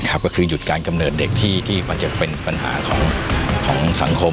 ก็คือหยุดการกำเนิดเด็กที่มันจะเป็นปัญหาของสังคม